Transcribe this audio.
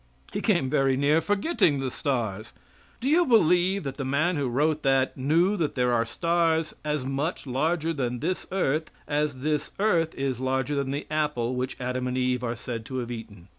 He came very near forgetting the stars. Do you believe that the man who wrote that knew that there are stars as much larger than this earth as this earth is larger than the apple which Adam and Eve are said to have eaten.